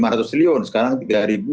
rp lima ratus sekarang rp tiga